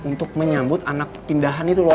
untuk menyambut anak pindahan itu loh